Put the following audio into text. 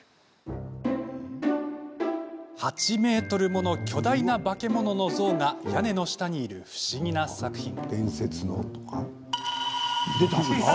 ８ｍもの巨大な化け物の像が屋根の下にいる不思議な作品。